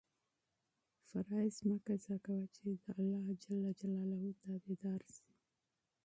فرایض مه قضا کوه چې د اللهﷻ تابع دار شې.